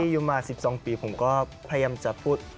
อยู่มา๑๒ปีผมก็พยายามจะพูด